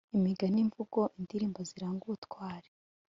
imigani, imvugo, indirimbo ziranga ubutwari